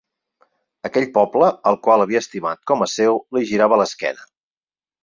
Aquell poble, al qual havia estimat com a seu, li girava l'esquena.